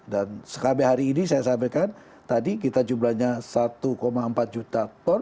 dan sekabek hari ini saya sampaikan tadi kita jumlahnya satu empat juta ton